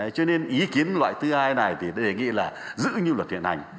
cho nên ý kiến loại thứ hai này thì để nghĩ là giữ như luật hiện hành